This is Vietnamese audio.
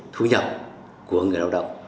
thu nhập của người lao động